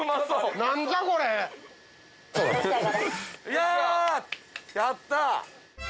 いややった！